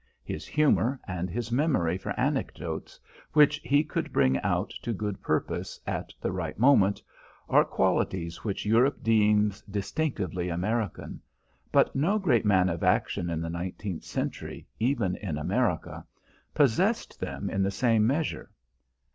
His humour, and his memory for anecdotes which he could bring out to good purpose, at the right moment, are qualities which Europe deems distinctively American, but no great man of action in the nineteenth century, even in America, possessed them in the same measure.